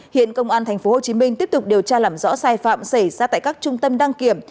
hiện công an tp hcm tiếp tục điều tra làm rõ sai phạm xảy ra tại các trung tâm đăng kiểm